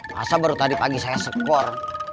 masa baru tadi pagi saya skor